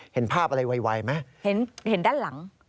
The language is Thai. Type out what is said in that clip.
เห็นภาพอะไรไวไหมเห็นด้านหลัง